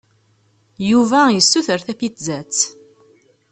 Yuba yessuter tapizzat.